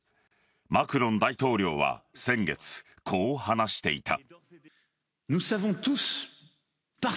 マクロン大統領は先月こう話していた。